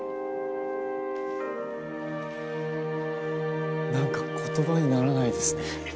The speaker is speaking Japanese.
何か言葉にならないですね。